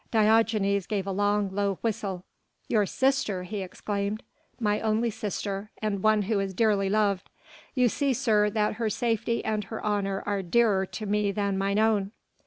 Diogenes gave a long, low whistle. "Your sister!" he exclaimed. "My only sister and one who is dearly loved. You see, sir, that her safety and her honour are dearer to me than mine own."